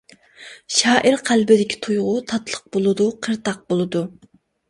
شائىر قەلبىدىكى تۇيغۇ تاتلىق بولىدۇ، قىرتاق بولىدۇ.